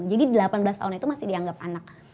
jadi delapan belas tahun itu masih dianggap anak